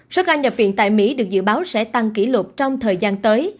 số ca nhập viện tại mỹ được dự báo sẽ tăng kỷ lục trong thời gian tới